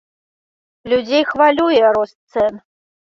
Людзей хвалюе рост цэн.